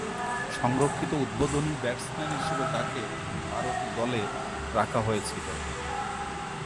সংরক্ষিত উদ্বোধনী ব্যাটসম্যান হিসেবে তাকে ভারত দলে রাখা হয়েছিল।